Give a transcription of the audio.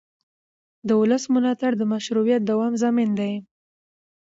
د ولس ملاتړ د مشروعیت دوام ضامن دی